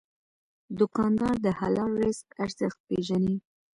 دوکاندار د حلال رزق ارزښت پېژني.